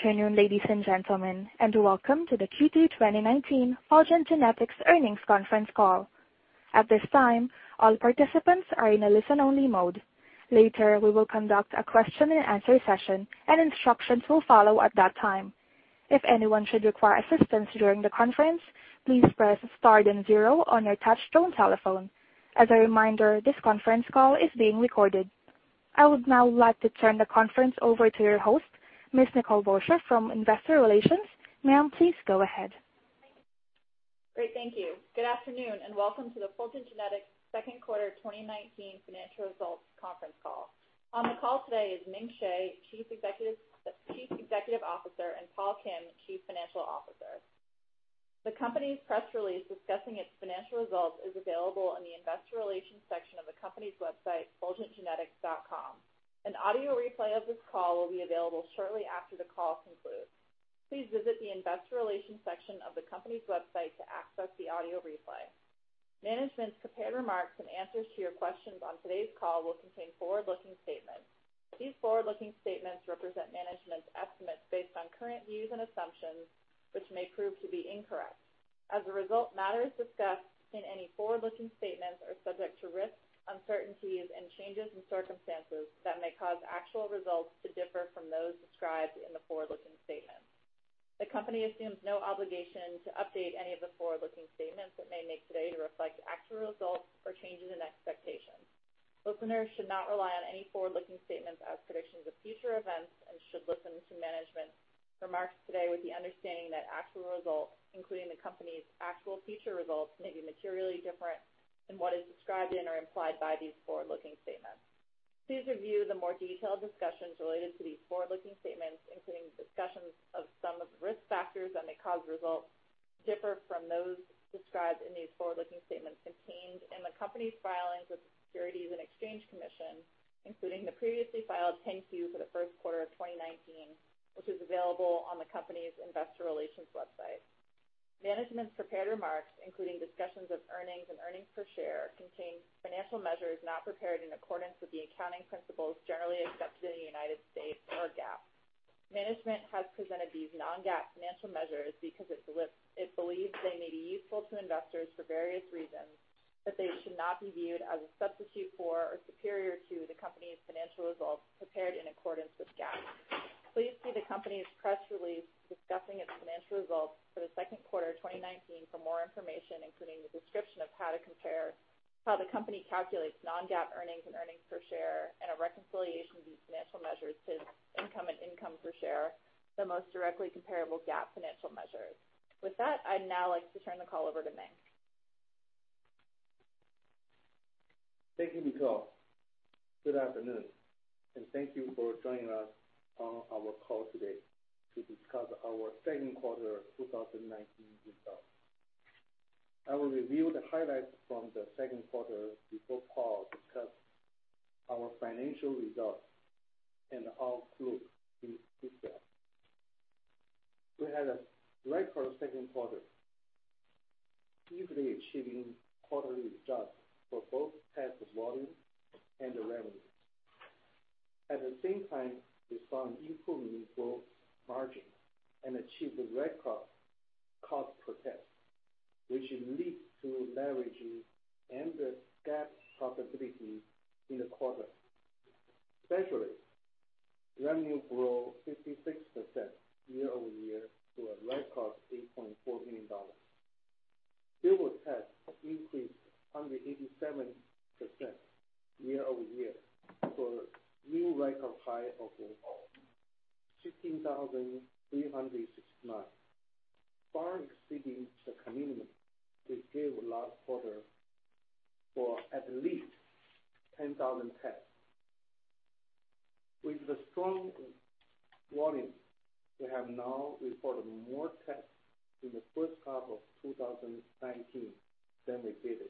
Good afternoon, ladies and gentlemen, and welcome to the Q3 2019 Fulgent Genetics Earnings Conference Call. At this time, all participants are in a listen-only mode. Later, we will conduct a question and answer session, and instructions will follow at that time. If anyone should require assistance during the conference, please press star then zero on your touch-tone telephone. As a reminder, this conference call is being recorded. I would now like to turn the conference over to your host, Ms. Nicole Borsje from Investor Relations. Ma'am, please go ahead. Great, thank you. Good afternoon, and welcome to the Fulgent Genetics Second Quarter 2019 Financial Results Conference Call. On the call today is Ming Hsieh, Chief Executive Officer, and Paul Kim, Chief Financial Officer. The company's press release discussing its financial results is available in the investor relations section of the company's website, fulgentgenetics.com. An audio replay of this call will be available shortly after the call concludes. Please visit the investor relations section of the company's website to access the audio replay. Management's prepared remarks and answers to your questions on today's call will contain forward-looking statements. These forward-looking statements represent management's estimates based on current views and assumptions, which may prove to be incorrect. As a result, matters discussed in any forward-looking statements are subject to risks, uncertainties, and changes in circumstances that may cause actual results to differ from those described in the forward-looking statements. The company assumes no obligation to update any of the forward-looking statements it may make today to reflect actual results or changes in expectations. Listeners should not rely on any forward-looking statements as predictions of future events and should listen to management's remarks today with the understanding that actual results, including the company's actual future results, may be materially different than what is described in or implied by these forward-looking statements. Please review the more detailed discussions related to these forward-looking statements, including discussions of some of the risk factors that may cause results to differ from those described in these forward-looking statements contained in the company's filings with the Securities and Exchange Commission, including the previously filed 10-Q for the first quarter of 2019, which is available on the company's investor relations website. Management's prepared remarks, including discussions of earnings and earnings per share, contain financial measures not prepared in accordance with the accounting principles generally accepted in the United States, or GAAP. Management has presented these non-GAAP financial measures because it believes they may be useful to investors for various reasons, but they should not be viewed as a substitute for or superior to the company's financial results prepared in accordance with GAAP. Please see the company's press release discussing its financial results for the second quarter of 2019 for more information, including the description of how the company calculates non-GAAP earnings and earnings per share, and a reconciliation of these financial measures to income and income per share, the most directly comparable GAAP financial measures. With that, I'd now like to turn the call over to Ming. Thank you, Nicole. Good afternoon, and thank you for joining us on our call today to discuss our second quarter 2019 results. I will review the highlights from the second quarter before Paul discuss our financial results and our outlook in detail. We had a record second quarter, easily achieving quarterly results for both tests volume and revenue. At the same time, we saw an improvement in gross margin and achieved a record cost per test, which leads to leveraging and GAAP profitability in the quarter. Specifically, revenue grew 56% year-over-year to a record $8.4 million. Billable tests increased 187% year-over-year to a new record high of 16,369, far exceeding the commitment we gave last quarter for at least 10,000 tests. With the strong volume, we have now reported more tests in the first half of 2019 than we did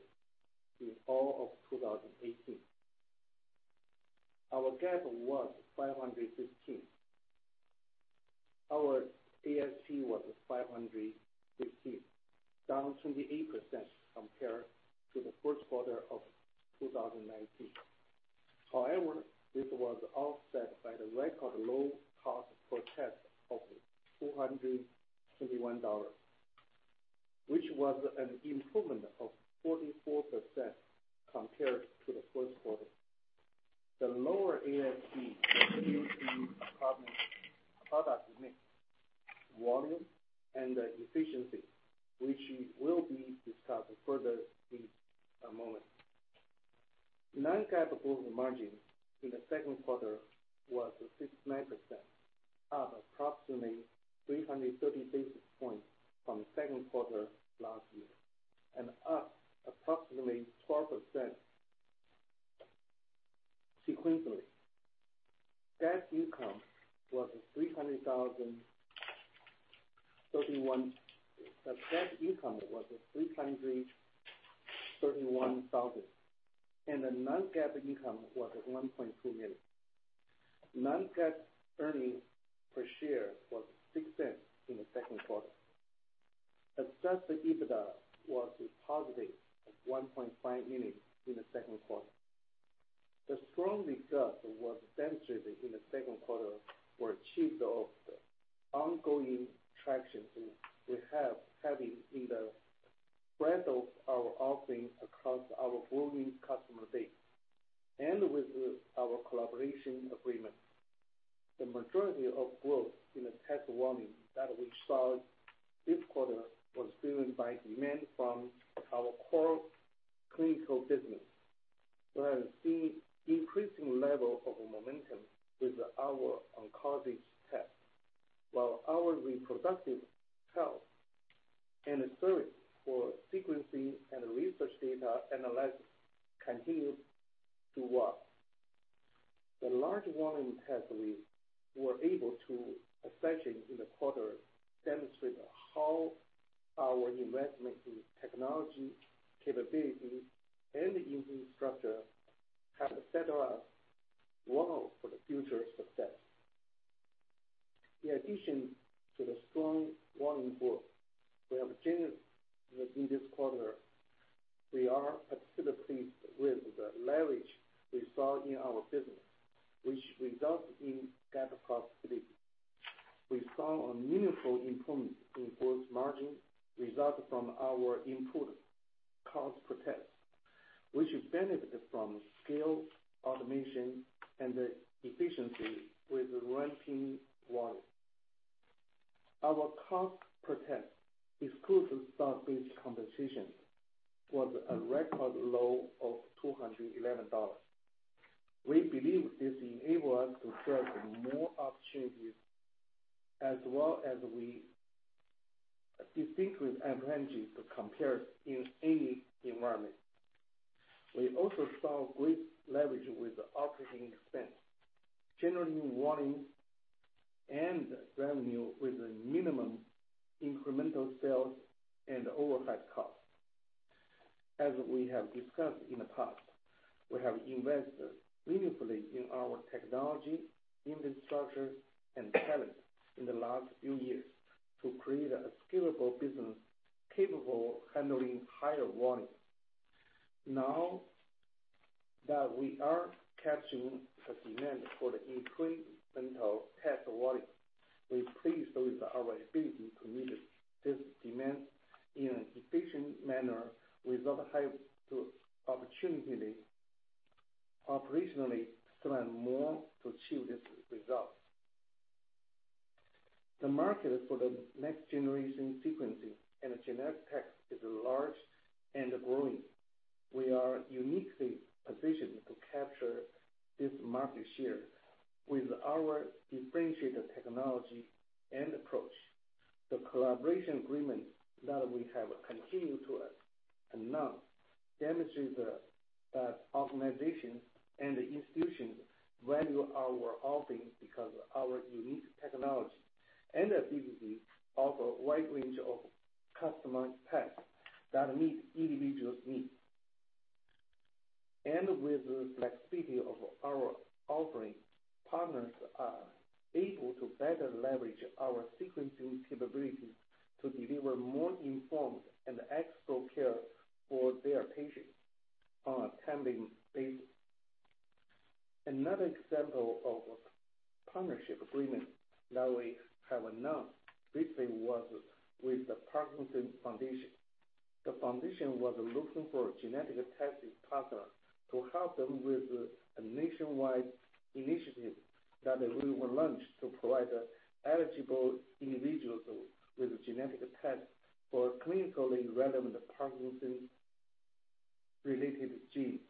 in all of 2018. Our GAAP was $516. Our ASP was $516, down 28% compared to the first quarter of 2019. However, this was offset by the record low cost per test of $221, which was an improvement of 44% compared to the first quarter. The lower ASP continued to improve product mix, volume, and efficiency, which will be discussed further in a moment. Non-GAAP gross margin in the second quarter was 69%, up approximately 330 basis points from the second quarter last year, and up approximately 12% sequentially. GAAP income was at $331,000, and the non-GAAP income was at $1.2 million. Non-GAAP earnings per share was $0.06 in the second quarter. Adjusted EBITDA was positive at $1.5 million in the second quarter. The strong results that was demonstrated in the second quarter were achieved of the ongoing traction we're having in the breadth of our offerings across our growing customer base, and with our collaboration agreement. The majority of growth in the test volume that we saw this quarter was driven by demand from our core clinical business. We are seeing increasing level of momentum with our oncology test, while our reproductive health and service for sequencing and research data analysis continues to work. The large volume tests we were able to, especially in the quarter, demonstrate how our investment in technology capabilities and infrastructure have set us well for the future success. In addition to the strong volume growth we have generated in this quarter, we are particularly pleased with the leverage we saw in our business, which resulted in better profitability. We saw a meaningful improvement in gross margin result from our improved cost per test, which benefited from scale, automation, and efficiency with ramping volume. Our cost per test, excluding stock-based compensation, was a record low of $211. We believe this enable us to chase more opportunities, as well as we distinguish Fulgent to compete in any environment. We also saw great leverage with operating expense, generating volume and revenue with a minimum incremental sales and overhead cost. As we have discussed in the past, we have invested meaningfully in our technology, infrastructure, and talent in the last few years to create a scalable business capable handling higher volume. Now that we are catching the demand for the incremental test volume, we are pleased with our ability to meet this demand in an efficient manner without having to operationally spend more to achieve this result. The market for the next generation sequencing and genetic tests is large and growing. We are uniquely positioned to capture this market share with our differentiated technology and approach. The collaboration agreement that we have continued to announce demonstrates that organizations and institutions value our offering because our unique technology and ability offer a wide range of customized tests that meet individual needs. With the flexibility of our offering, partners are able to better leverage our sequencing capabilities to deliver more informed and expert care for their patients on a timely basis. Another example of a partnership agreement that we have announced recently was with the Parkinson's Foundation. The foundation was looking for a genetic testing partner to help them with a nationwide initiative that they will launch to provide eligible individuals with a genetic test for clinically relevant Parkinson-related genes.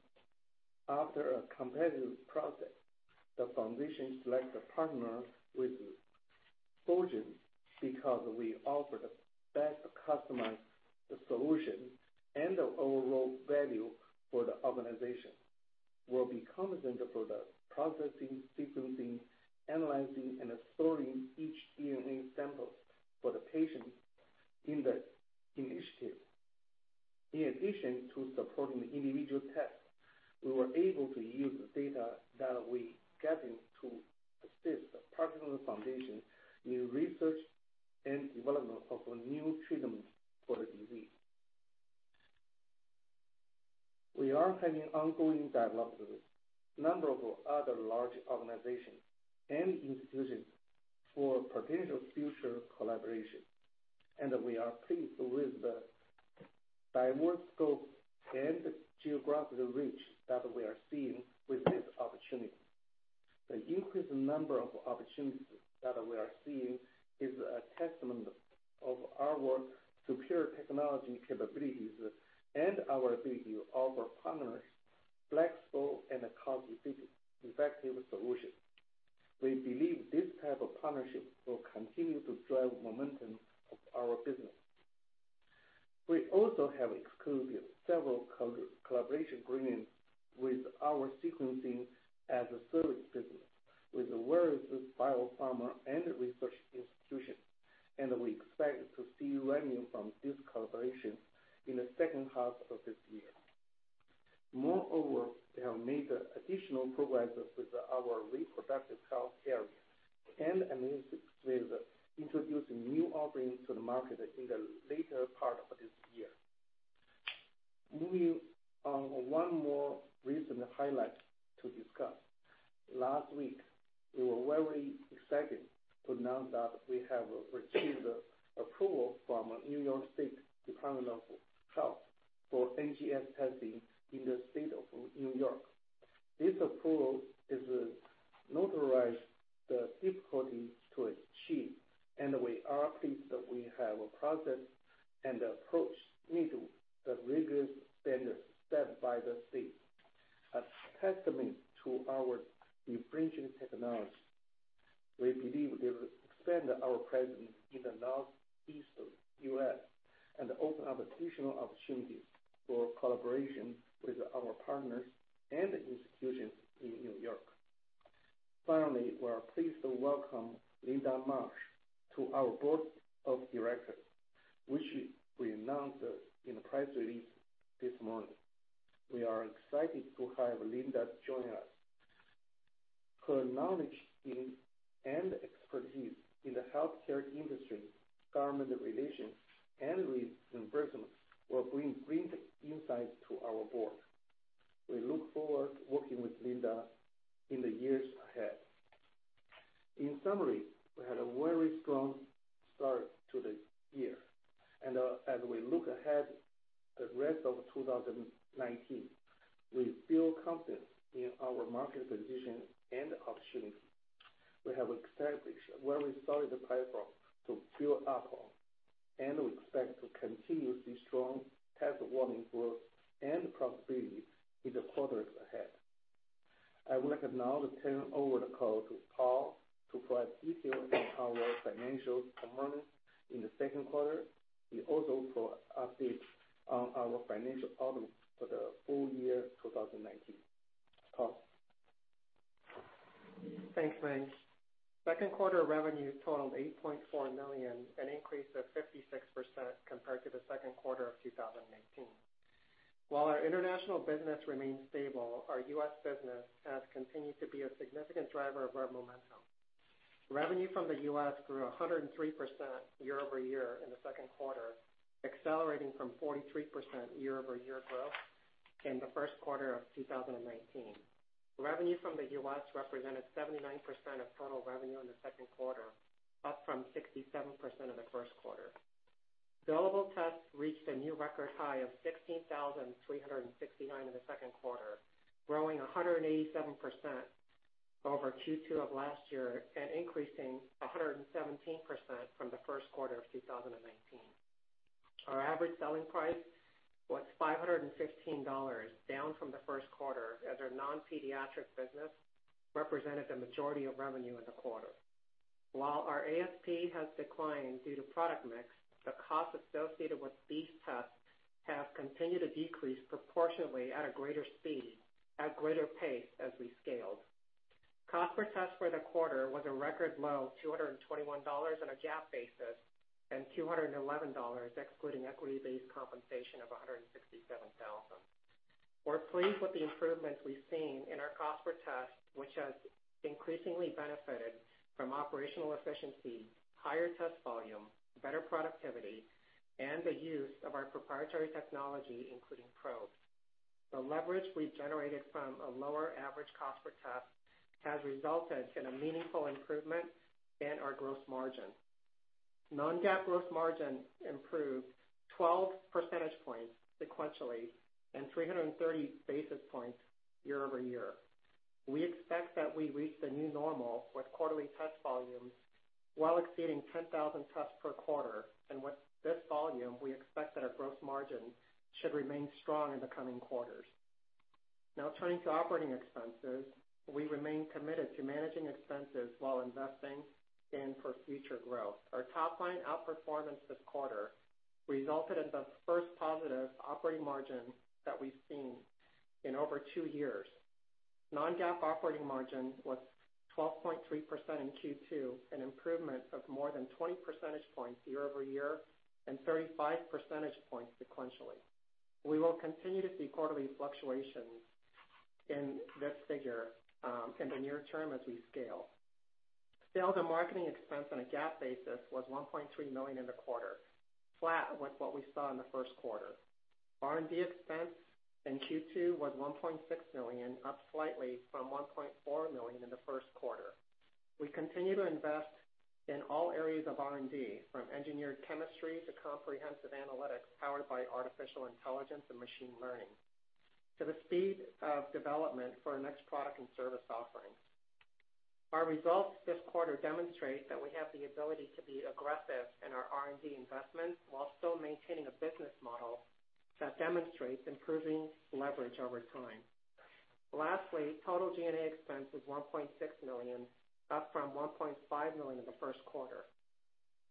After a competitive process, the foundation selected partner with Fulgent, because we offered the best customized solution and overall value for the organization. We'll be compensated for the processing, sequencing, analyzing, and storing each DNA sample for the patients in the initiative. In addition to supporting the individual test, we were able to use the data that we gathered to assist the Parkinson's Foundation in research and development of a new treatment for the disease. We are having ongoing dialogues with a number of other large organizations and institutions for potential future collaboration. We are pleased with the diverse scope and geographical reach that we are seeing with this opportunity. The increased number of opportunities that we are seeing is a testament of our superior technology capabilities and our ability to offer partners flexible and cost-effective solutions. We believe this type of partnership will continue to drive momentum of our business. We also have executed several collaboration agreements with our sequencing-as-a-service business with various biopharma and research institutions, and we expect to see revenue from this collaboration in the second half of this year. Moreover, we have made additional progress with our reproductive health care, I mean, with introducing new offerings to the market in the later part of this year. Moving on, one more recent highlight to discuss. Last week, we were very excited to announce that we have received approval from New York State Department of Health for NGS testing in the state of New York. This approval is notarized, the difficulty to achieve, and we are pleased that we have a process and approach meet the rigorous update on our financial outlook for the full year 2019. Paul. Thanks, Ming. Second quarter revenues totaled $8.4 million, an increase of 56% compared to the second quarter of 2019. While our international business remains stable, our U.S. business has continued to be a significant driver of our momentum. Revenue from the U.S. grew 103% year-over-year in the second quarter, accelerating from 43% year-over-year growth in the first quarter of 2019. Revenue from the U.S. represented 79% of total revenue in the second quarter, up from 67% in the first quarter. Billable tests reached a new record high of 16,369 in the second quarter, growing 187% over Q2 of last year and increasing 117% from the first quarter of 2019. Our average selling price was $515, down from the first quarter as our non-pediatric business represented the majority of revenue in the quarter. While our ASP has declined due to product mix, the cost associated with these tests has continued to decrease proportionately at a greater speed, at greater pace as we scaled. Cost per test for the quarter was a record low $221 on a GAAP basis, and $211 excluding equity-based compensation of $167,000. We're pleased with the improvements we've seen in our cost per test, which has increasingly benefited from operational efficiency, higher test volume, better productivity, and the use of our proprietary technology, including probes. The leverage we generated from a lower average cost per test has resulted in a meaningful improvement in our gross margin. Non-GAAP gross margin improved 12 percentage points sequentially, and 330 basis points year-over-year. We expect that we reach the new normal with quarterly test volumes well exceeding 10,000 tests per quarter. With this volume, we expect that our gross margin should remain strong in the coming quarters. Turning to operating expenses. We remain committed to managing expenses while investing in future growth. Our top-line outperformance this quarter resulted in the first positive operating margin that we've seen in over two years. Non-GAAP operating margin was 12.3% in Q2, an improvement of more than 20 percentage points year-over-year and 35 percentage points sequentially. We will continue to see quarterly fluctuations in this figure, in the near term as we scale. Sales and marketing expense on a GAAP basis was $1.3 million in the quarter, flat with what we saw in the first quarter. R&D expense in Q2 was $1.6 million, up slightly from $1.4 million in the first quarter. We continue to invest in all areas of R&D, from engineered chemistry to comprehensive analytics powered by artificial intelligence and machine learning, to the speed of development for our next product and service offerings. Our results this quarter demonstrate that we have the ability to be aggressive in our R&D investments while still maintaining a business model that demonstrates improving leverage over time. Lastly, total G&A expense was $1.6 million, up from $1.5 million in the first quarter.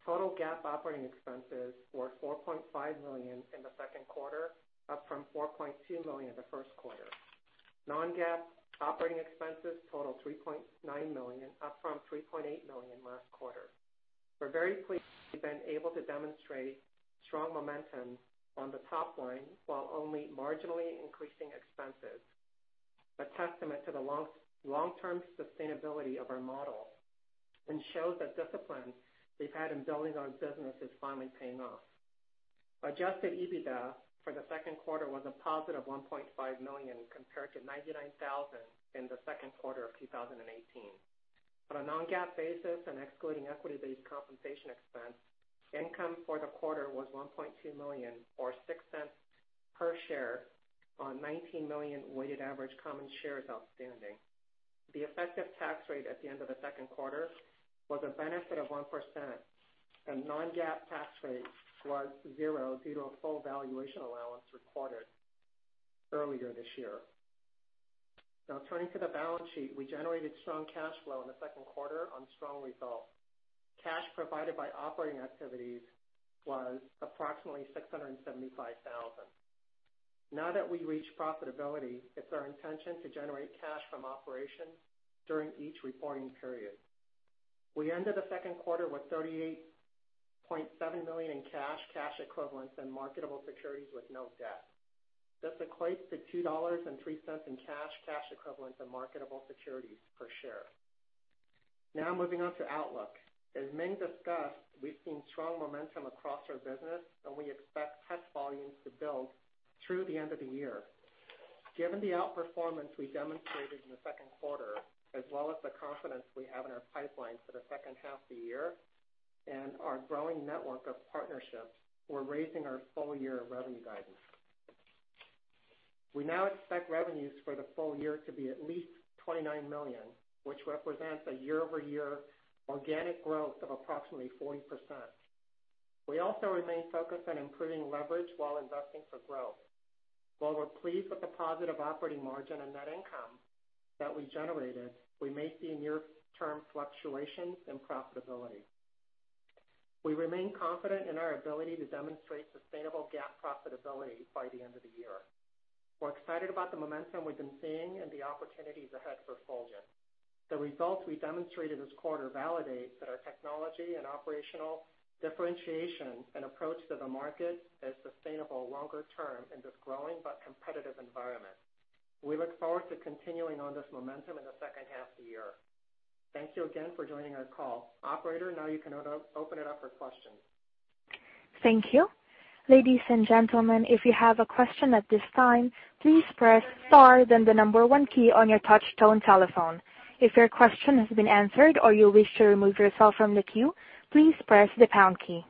Total GAAP operating expenses were $4.5 million in the second quarter, up from $4.2 million in the first quarter. Non-GAAP operating expenses totaled $3.9 million, up from $3.8 million last quarter. We're very pleased we've been able to demonstrate strong momentum on the top line while only marginally increasing expenses. A testament to the long-term sustainability of our model and shows that discipline we've had in building our business is finally paying off. Adjusted EBITDA for the second quarter was a positive $1.5 million, compared to $99,000 in the second quarter of 2018. On a non-GAAP basis and excluding equity-based compensation expense, income for the quarter was $1.2 million, or $0.06 per share on 19 million weighted average common shares outstanding. The effective tax rate at the end of the second quarter was a benefit of 1%, and non-GAAP tax rate was zero due to a full valuation allowance recorded earlier this year. Turning to the balance sheet. We generated strong cash flow in the second quarter on strong results. Cash provided by operating activities was approximately $675,000. That we reach profitability, it's our intention to generate cash from operations during each reporting period. We ended the second quarter with $38.7 million in cash equivalents, and marketable securities with no debt. This equates to $2.03 in cash equivalents, and marketable securities per share. Moving on to outlook. As Ming discussed, we've seen strong momentum across our business, and we expect test volumes to build through the end of the year. Given the outperformance we demonstrated in the second quarter, as well as the confidence we have in our pipeline for the second half of the year and our growing network of partnerships, we're raising our full-year revenue guidance. We now expect revenues for the full-year to be at least $29 million, which represents a year-over-year organic growth of approximately 40%. We also remain focused on improving leverage while investing for growth. While we're pleased with the positive operating margin and net income that we generated, we may see near-term fluctuations in profitability. We remain confident in our ability to demonstrate sustainable GAAP profitability by the end of the year. We're excited about the momentum we've been seeing and the opportunities ahead for Fulgent. The results we demonstrated this quarter validate that our technology and operational differentiation and approach to the market is sustainable longer term in this growing but competitive environment. We look forward to continuing on this momentum in the second half of the year. Thank you again for joining our call. Operator, now you can open it up for questions. Thank you. Ladies and gentlemen, if you have a question at this time, please press star then the number one key on your touch tone telephone. If your question has been answered or you wish to remove yourself from the queue, please press the pound key.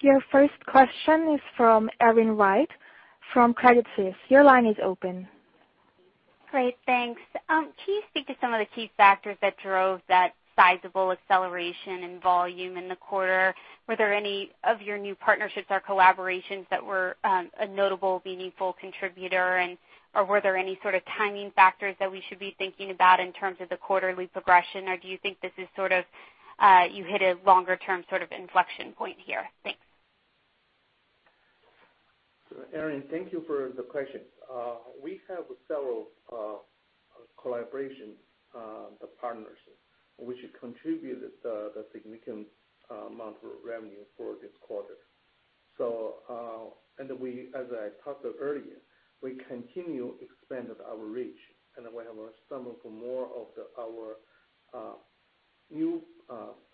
Your first question is from Erin Wright from Credit Suisse. Your line is open. Great, thanks. Can you speak to some of the key factors that drove that sizable acceleration in volume in the quarter? Were there any of your new partnerships or collaborations that were a notable, meaningful contributor, or were there any sort of timing factors that we should be thinking about in terms of the quarterly progression, or do you think you hit a longer-term inflection point here? Thanks. Erin, thank you for the question. We have several collaboration partners which contributed a significant amount of revenue for this quarter. As I talked about earlier, we continue expanding our reach, and we have some more of our new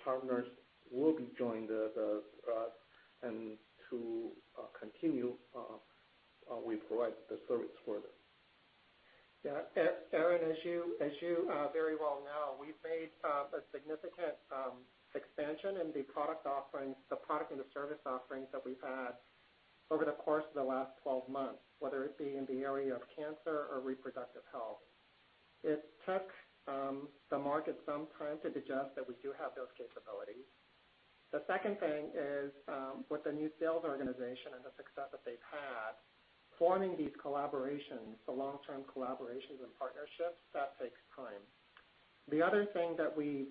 partners who will be joining us, and to continue, we provide the service for them. Yeah, Erin, as you very well know, we've made a significant expansion in the product and the service offerings that we've had over the course of the last 12 months, whether it be in the area of cancer or reproductive health. It took the market some time to digest that we do have those capabilities. The second thing is, with the new sales organization and the success that they've had, forming these long-term collaborations and partnerships, that takes time. The other thing that we've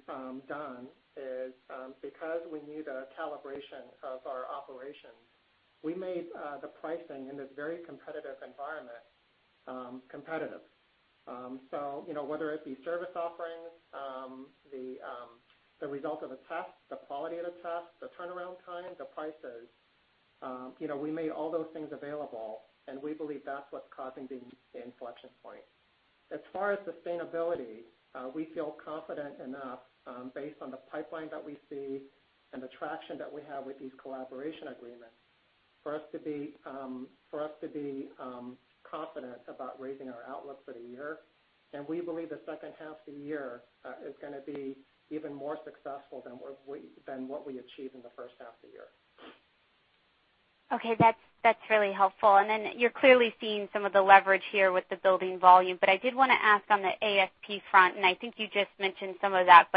done is, because we need a calibration of our operations, we made the pricing in this very competitive environment competitive. Whether it be service offerings, the result of a test, the quality of the test, the turnaround time, the prices, we made all those things available, and we believe that's what's causing the inflection point. As far as sustainability, we feel confident enough based on the pipeline that we see and the traction that we have with these collaboration agreements for us to be confident about raising our outlook for the year. We believe the second half of the year is going to be even more successful than what we achieved in the first half of the year. Okay. That's really helpful. You're clearly seeing some of the leverage here with the building volume. I did want to ask on the ASP front. I think you just mentioned some of that.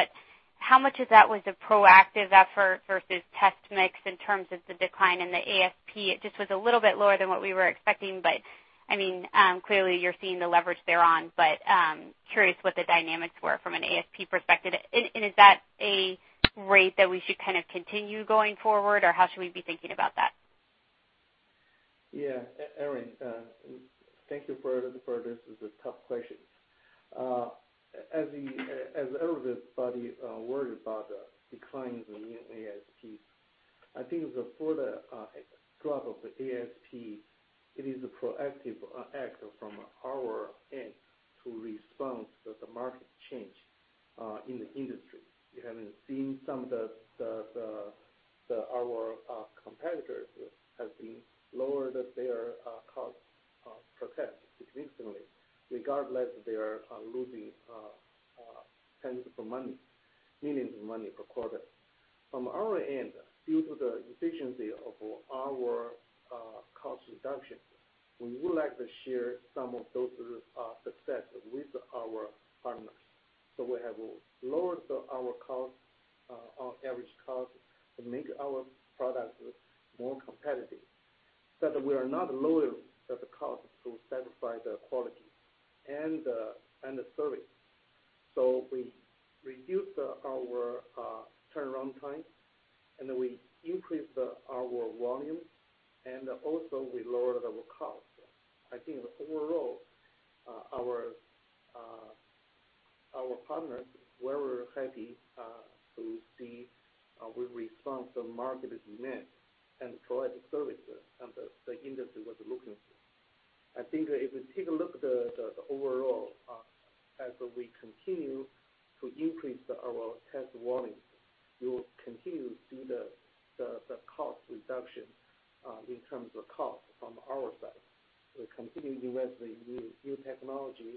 How much of that was a proactive effort versus test mix in terms of the decline in the ASP? It just was a little bit lower than what we were expecting. Clearly, you're seeing the leverage thereon. Curious what the dynamics were from an ASP perspective. Is that a rate that we should kind of continue going forward, or how should we be thinking about that? Erin, thank you for this. This is a tough question. As everybody worried about the decline in ASP, I think for the drop of the ASP, it is a proactive act from our end to respond to the market change in the industry. You haven't seen some of our competitors have been lowered their cost per test significantly, regardless, they are losing partners. We have lowered our average cost to make our product more competitive, but we are not lowering the cost to satisfy the quality and the service. We reduced our turnaround time, and we increased our volume, and also we lowered our cost. I think overall, our partners were happy to see we respond to market demand and provide the service that the industry was looking for. I think if you take a look at the overall, as we continue to increase our test volume, we will continue to see the cost reduction in terms of cost from our side. We're continuing to invest in new technology,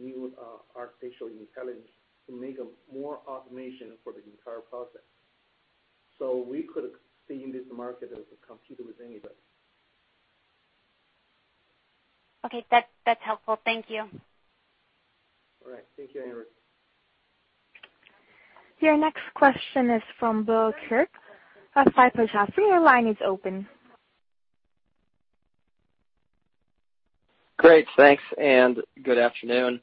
new artificial intelligence, to make more automation for the entire process. We could stay in this market and compete with anybody. Okay. That's helpful. Thank you. All right. Thank you, Erin. Your next question is from Bill Kirk of Piper Jaffray. Your line is open. Great. Thanks, and good afternoon.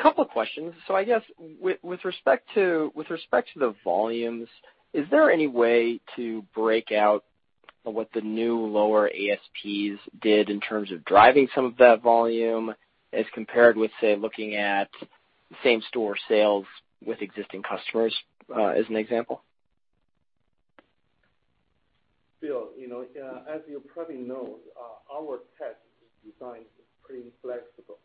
Couple of questions. I guess with respect to the volumes, is there any way to break out what the new lower ASPs did in terms of driving some of that volume as compared with, say, looking at same-store sales with existing customers, as an example? Bill, as you probably know, our test design is pretty flexible.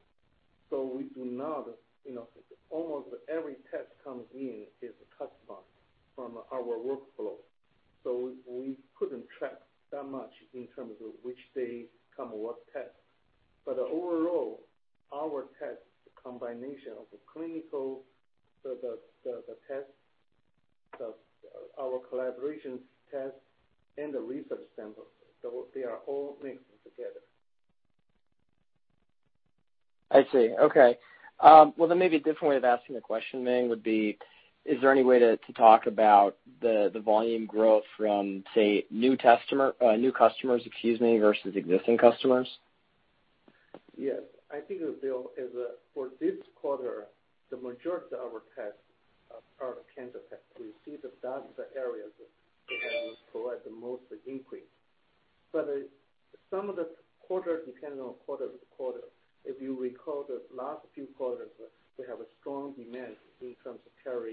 Almost every test that comes in is customized from our workflow. We couldn't track that much in terms of which they come, what test. Overall, our test, the combination of the clinical, the test, our collaboration test, and the research sample, they are all mixed together. I see. Okay. Maybe a different way of asking the question, Ming, would be, is there any way to talk about the volume growth from, say, new customers versus existing customers? Yes. I think, Bill, for this quarter, the majority of our tests are cancer tests. We see that area has provided the most increase. Some of the quarter, depending on quarter to quarter, if you recall the last few quarters, we have a strong demand in terms of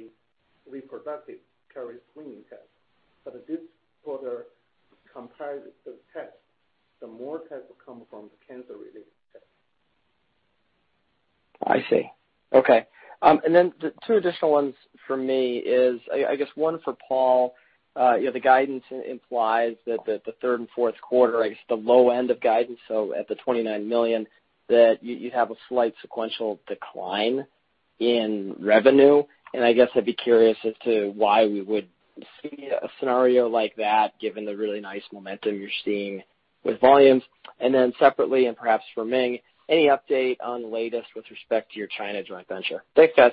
reproductive carrier screening test. This quarter, compared to the test, the more tests will come from the cancer-related test. I see. Okay. The two additional ones for me is, I guess one for Paul. The guidance implies that the third and fourth quarter, I guess the low end of guidance, so at the $29 million, that you have a slight sequential decline in revenue. I guess I'd be curious as to why we would see a scenario like that given the really nice momentum you're seeing with volumes. Separately, and perhaps for Ming, any update on the latest with respect to your China joint venture? Thanks, guys.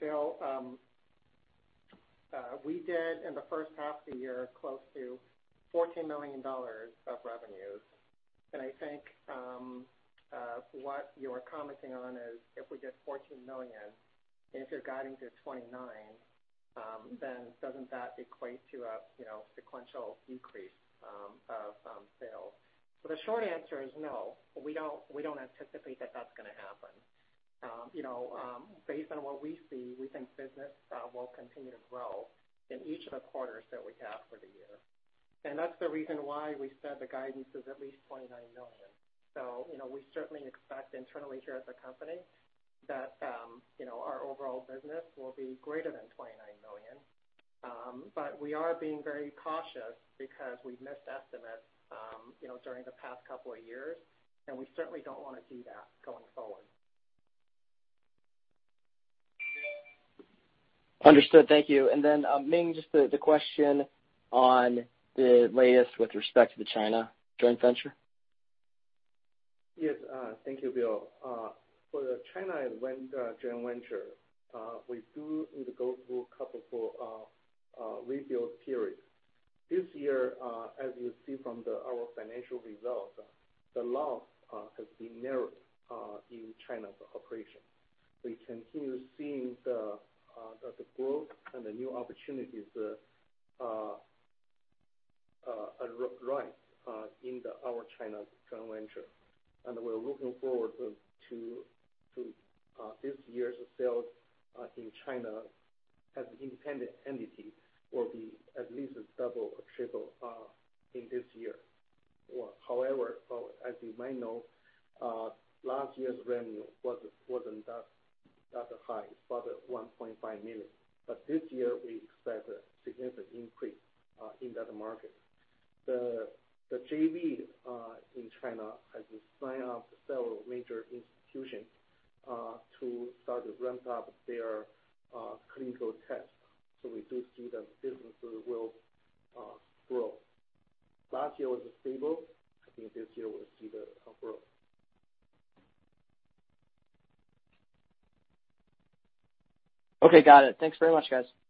Bill, we did, in the first half of the year, close to $14 million of revenues. I think what you're commenting on is if we did $14 million, and if you're guiding to $29 million, then doesn't that equate to a sequential increase of sales? The short answer is no. We don't anticipate that that's going to happen. Based on what we see, we think business will continue to grow in each of the quarters that we have for the year. That's the reason why we said the guidance is at least $29 million. We certainly expect internally here at the company that our overall business will be greater than $29 million. We are being very cautious because we've missed estimates during the past couple of years, and we certainly don't want to see that going forward. Understood. Thank you. Ming, just the question on the latest with respect to the China joint venture. Yes. Thank you, Bill. For the China joint venture, we do need to go through a couple of review periods. This year, as you see from our financial results, the loss has been narrowed in China's operation. We continue seeing the growth and the new opportunities arise in our China joint venture. We're looking forward to this year's sales in China as an independent entity will be at least double or triple in this year. However, as you may know, last year's revenue wasn't that high. It's about $1.5 million. This year, we expect a significant increase in that market. The JV in China has signed up several major institutions to start to ramp up their clinical tests. We do see that business will grow. Last year was stable. I think this year we'll see the growth. Okay, got it. Thanks very much, guys.